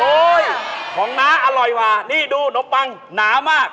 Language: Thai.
โอ้ยของน้าอร่อยมากนี่ดูนมปังหนามาก